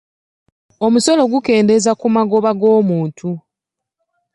Omusolo gukendeeza ku magoba g'omuntu.